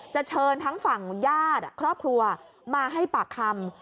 เชิญทั้งฝั่งญาติครอบครัวมาให้ปากคำ